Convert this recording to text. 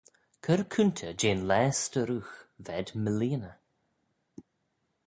Cur coontey jeh'n laa s'tarroogh v'ayd mleeaney.